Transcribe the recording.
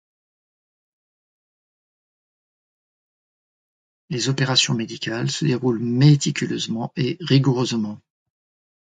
Les opérations médicales se déroulent méticuleusement et rigoureusement.